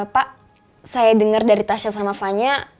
pak saya denger dari tasya sama fanya